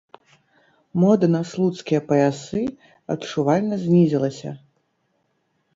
Мода на слуцкія паясы адчувальна знізілася.